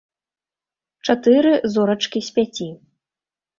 Чатыры зорачкі з пяці.